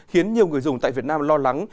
khiến nhiều người dùng tại việt nam lo lắng